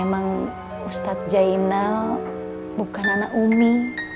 ya memang ustad jainal bukan anak umi